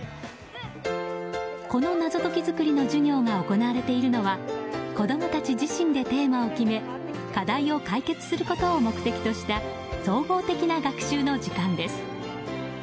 この謎解き作りの授業が行われているのは子供たち自身でテーマを決め課題を解決することを目的とした総合的な学習の時間です。